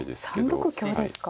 ３六香ですか。